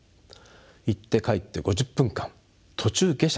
行って帰って５０分間途中下車禁止。